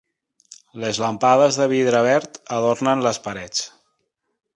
Les làmpades de vidre verd adornen les parets.